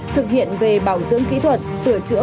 thực hiện về bảo dưỡng kỹ thuật sửa chữa